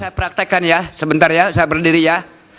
saya praktekkan ya sebentar ya saya berdiri ya